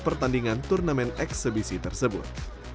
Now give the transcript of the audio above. pertandingan turnamen eksebisi tersebut